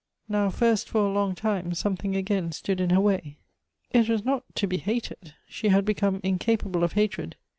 Now first for a long time something again stood in her way. It was not to be hated — she had become incapable of hatred.